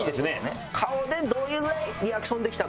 顔でどれぐらいリアクションできたか。